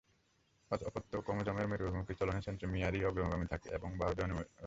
অপত্য ক্রোমোসোমের মেরু অভিমুখী চলনে সেন্ট্রোমিয়ারই অগ্রগামী থাকে এবং বাহুদ্বয় অনুগামী হয়।